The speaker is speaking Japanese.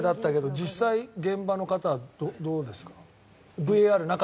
実際、現場の方はどうでしたか。